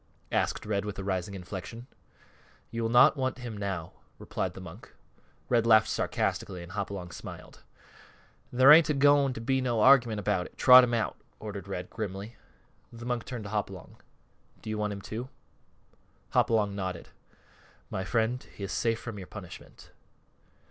asked Red with a rising inflection. "You will not want him now," replied the monk. Red laughed sarcastically and Hopalong smiled. "There ain't a going to be no argument about it. Trot him out," ordered Red, grimly. The monk turned to Hopalong. "Do you, too, want him?" Hopalong nodded. "My friends, he is safe from your punishment."